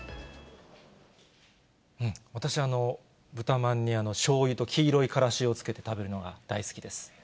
私、豚まんにしょうゆと黄色いからしをつけて食べるのが大好きです。